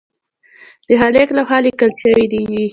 د خالق لخوا لیکل شوي وي.